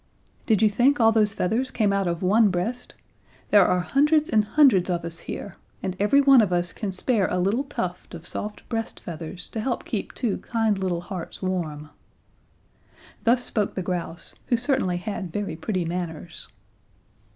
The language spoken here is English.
"Did you think all those feathers came out of one breast? There are hundreds and hundreds of us here, and every one of us can spare a little tuft of soft breast feathers to help to keep two kind little hearts warm!" Thus spoke the grouse, who certainly had very pretty manners.